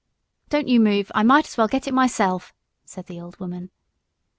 "Don't you move, I might as well get it myself," said the old woman.